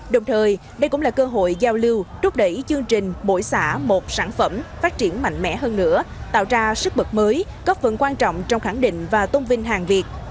đồng thời đây cũng là cơ hội giao lưu rút đẩy chương trình bổi xả một sản phẩm phát triển mạnh mẽ hơn nữa tạo ra sức bật mới góp phần quan trọng trong khẳng định và tôn vinh hàng việt